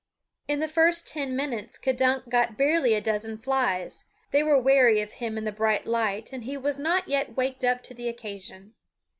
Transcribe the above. In the first ten minutes K'dunk got barely a dozen flies. They were wary of him in the bright light, and he was not yet waked up to the occasion.